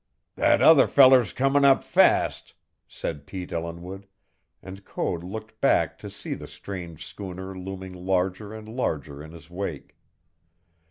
"That other feller's comin' up fast!" said Pete Ellinwood, and Code looked back to see the strange schooner looming larger and larger in his wake.